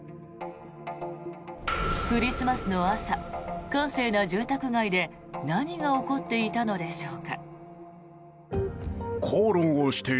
クリスマスの朝、閑静な住宅街で何が起こっていたのでしょうか。